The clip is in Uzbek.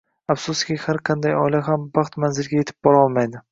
Afsuski, har qanday oila ham baxt manziliga yetib borolmaydi.